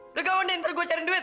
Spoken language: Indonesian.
udah gampang deh nanti gue cari duit